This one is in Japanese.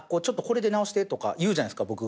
ちょっとこれで直してとか言うじゃないですか